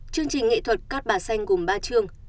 chương trình nghệ thuật cát bà xanh gồm ba chương